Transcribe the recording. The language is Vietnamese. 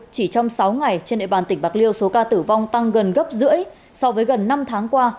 chỉ trong sáu ngày trên địa bàn tỉnh bạc liêu số ca tử vong tăng gần gấp rưỡi so với gần năm tháng qua